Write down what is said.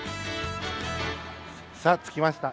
さあ、着きました。